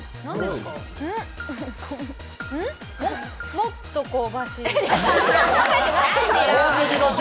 もっと香ばしい。